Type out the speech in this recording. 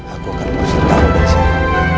aku akan ngurusin kamu dari sini